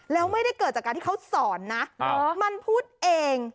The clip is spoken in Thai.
แล้วไม่ได้เกิดจากการที่เขาสอนนะมันพูดเอง